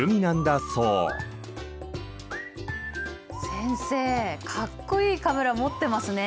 先生かっこいいカメラ持ってますね。